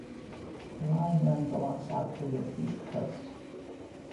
The line runs along South Korea's east coast.